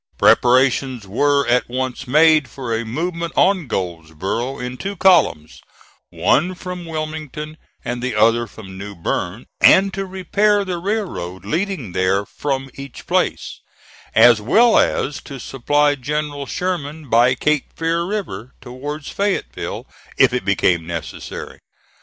Preparations were at once made for a movement on Goldsboro' in two columns one from Wilmington, and the other from New Bern and to repair the railroad leading there from each place, as well as to supply General Sherman by Cape Fear River, towards Fayetteville, if it became necessary.